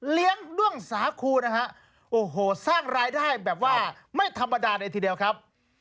ด้วงสาคูนะฮะโอ้โหสร้างรายได้แบบว่าไม่ธรรมดาเลยทีเดียวครับ